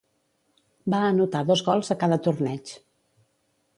Va anotar dos gols a cada torneig.